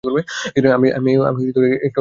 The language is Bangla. আমি একটু অপেক্ষা করে দেখি।